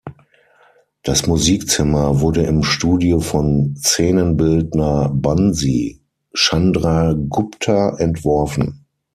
Das Musikzimmer wurde im Studio von Szenenbildner Bansi Chandragupta entworfen.